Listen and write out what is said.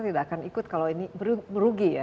tidak akan ikut kalau ini merugi ya